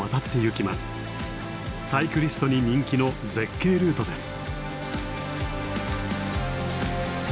サイクリストに人気の絶景ルートです。